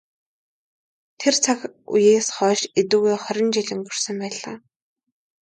Тэр цаг үеэс хойш эдүгээ хорин жил өнгөрсөн байлаа.